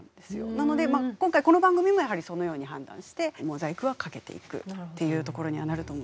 なのでまあ今回この番組もやはりそのように判断してモザイクはかけていくっていうところにはなると思うんです。